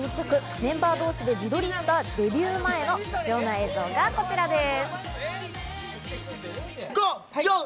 メンバー同士で自撮りしたデビュー前の貴重な映像がこちらです。